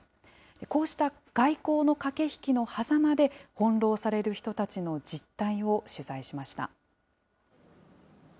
こうした外交の駆け引きのはざまで、翻弄される人たちの実態を取材しました。